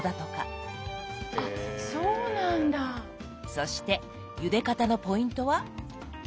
そしてゆで方のポイントは？